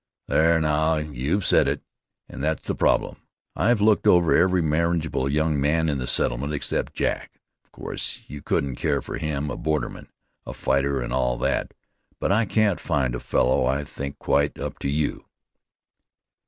"There, now you've said it, and that's the problem. I've looked over every marriageable young man in the settlement, except Jack. Of course you couldn't care for him, a borderman, a fighter and all that; but I can't find a fellow I think quite up to you."